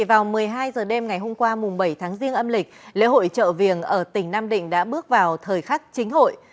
bây giờ đêm ngày hôm qua mùng bảy tháng riêng âm lịch lễ hội chợ viềng ở tỉnh nam định đã bước vào thời khắc chính hội